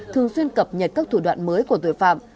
thường xuyên cập nhật các thủ đoạn mới của tội phạm